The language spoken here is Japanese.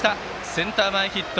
センタ前ヒット！